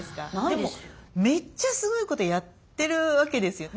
でもめっちゃすごいことやってるわけですよ。